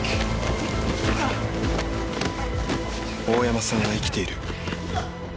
大山さんは生きている。